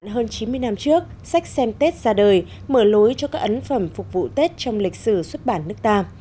hơn chín mươi năm trước sách xem tết ra đời mở lối cho các ấn phẩm phục vụ tết trong lịch sử xuất bản nước ta